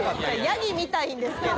ヤギ見たいんですけど。